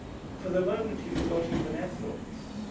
For the moment he forgot even Ethel.